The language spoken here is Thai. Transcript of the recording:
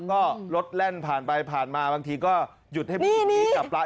ก็รถแล่นผ่านไปผ่านมาบางทีก็หยุดให้มีจับปลาย